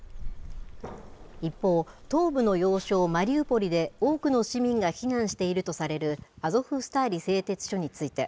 一方、東部の要衝マリウポリで、多くの市民が避難しているとされるアゾフスターリ製鉄所について、